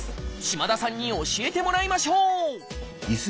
嶋田さんに教えてもらいましょう！